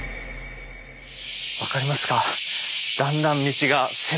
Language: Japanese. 分かりますか？